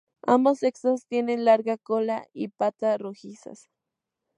Ambos sexos tienen una larga cola y patas rojizas.